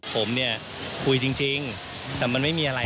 คือหยอกทราบค่ะว่า